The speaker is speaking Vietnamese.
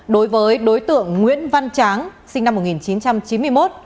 đối với đối tượng nguyễn văn tráng sinh năm một nghìn chín trăm chín mươi một